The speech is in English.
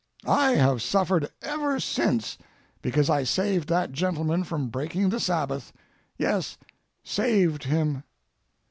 I have suffered ever since because I saved that gentleman from breaking the Sabbath yes, saved him.